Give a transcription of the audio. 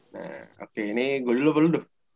nah oke ini gue dulu apa lu doh